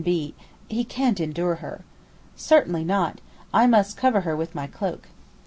B.—He can't endure her.) 'Certainly not, I must cover her with my cloak.